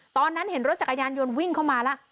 ตอนนั้นเห็นรถจักรยานยนต์วิ่งเข้ามาแล้ว